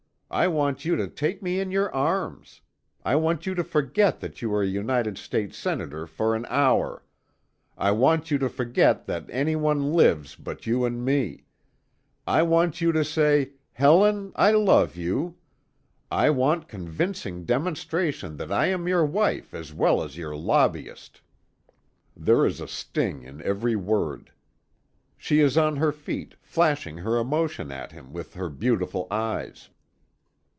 I want you to take me in your arms. I want you to forget that you are a United States Senator for an hour. I want you to forget that any one lives but you and me. I want you to say, 'Helen, I love you.' I want convincing demonstration that I am your wife as well as your lobbyist." There is a sting in every word. She is on her feet, flashing her emotion at him with her beautiful eyes.